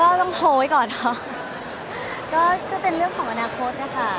แผลแต่งงานที่สายการมากกว่าคือปีนั้นที่แล้วจะแต่งงานกันหรือเปล่า